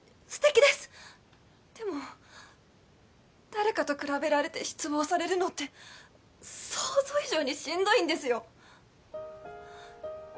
誰かと比べられて失望されるのって想像以上にしんどいんですよ